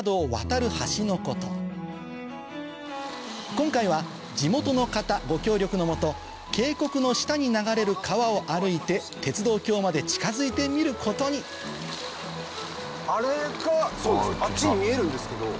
今回は地元の方ご協力の下渓谷の下に流れる川を歩いて鉄道橋まで近づいてみることにあれがそうですあっちに見えるんですけど。